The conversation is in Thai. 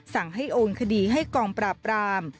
สั่งให้โอนคดีให้กองปราบราม